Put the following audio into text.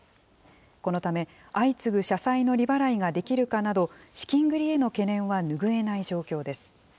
このため、相次ぐ社債の利払いができるかなど、資金繰りへの懸念は拭えない状況です。